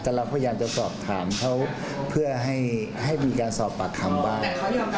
แต่เราพยายามจะสอบถามเขาเพื่อให้มีการสอบปากคำบ้าง